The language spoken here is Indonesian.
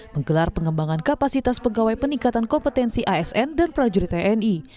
menggelar pengembangan kapasitas pegawai peningkatan kompetensi asn dan prajurit tni